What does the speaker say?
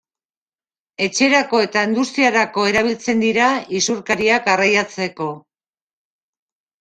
Etxerako eta industriarako erabiltzen dira isurkariak garraiatzeko.